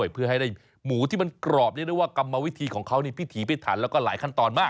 เพื่อให้ได้หมูที่มันกรอบเรียกได้ว่ากรรมวิธีของเขานี่พิถีพิถันแล้วก็หลายขั้นตอนมาก